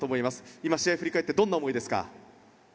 今、試合を振り返ってどんな思いですか？